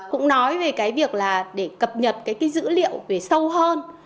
cũng nói về cái việc là để cập nhật cái dữ liệu về sâu hơn